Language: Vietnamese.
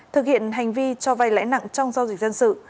thực hiện hành vi cho vay lãi nặng trong giao dịch dân sự